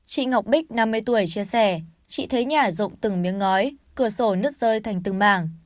chị ngọc bích năm mươi tuổi chia sẻ chị thấy nhả rộng từng miếng ngói cửa sổ nứt rơi thành từng mảng